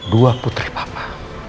dua putri papa